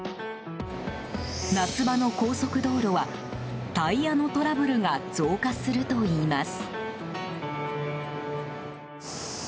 夏場の高速道路は、タイヤのトラブルが増加するといいます。